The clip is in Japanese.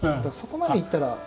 そこまでいったら。